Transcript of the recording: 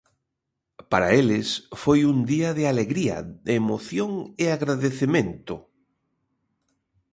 Para eles foi un día de alegría, emoción e agradecemento.